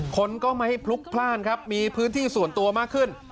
คนก็ไม่ให้พลุกพลาดครับมีพื้นที่ส่วนตัวมากขึ้น